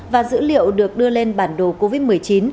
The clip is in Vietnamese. và dữ liệu được đưa lên bản đồ covid một mươi chín